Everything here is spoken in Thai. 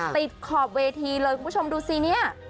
ติดขอบเวทีเลยคุณผู้ชมดูสิเนี่ย